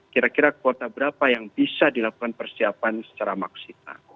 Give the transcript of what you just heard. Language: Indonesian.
kira kira kuota berapa yang bisa dilakukan persiapan secara maksimal